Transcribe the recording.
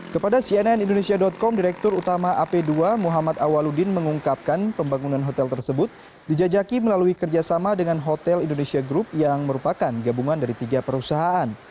kepada cnn indonesia com direktur utama ap dua muhammad awaludin mengungkapkan pembangunan hotel tersebut dijajaki melalui kerjasama dengan hotel indonesia group yang merupakan gabungan dari tiga perusahaan